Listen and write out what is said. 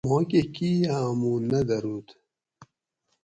ماکہ کئی ہاۤمو نہ دۤھروت